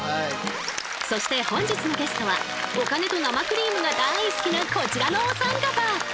そして本日のゲストはお金と生クリームがだい好きなこちらのお三方。